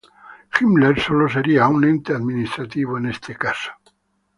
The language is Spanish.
Himmler solo sería un ente administrativo en este caso.